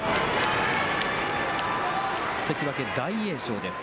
関脇・大栄翔です。